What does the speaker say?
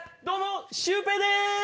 どうもシュウペイでーす！